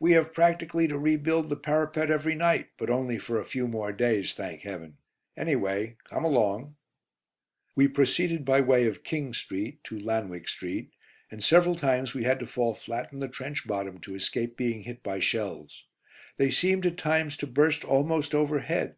"We have practically to rebuild the parapet every night, but only for a few more days, thank Heaven! Anyway, come along." We proceeded by way of "King Street" to "Lanwick Street," and several times we had to fall flat in the trench bottom to escape being hit by shells. They seemed at times to burst almost overhead.